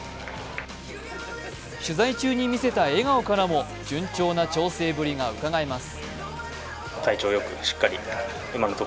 取材中に見せた笑顔からも順調な調整ぶりがうかがえます。